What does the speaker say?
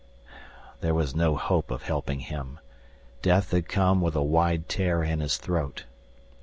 There was no hope of helping him death had come with a wide tear in his throat.